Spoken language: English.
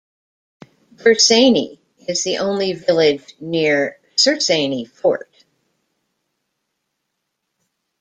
Bersaini is the only village near Sersaini Fort.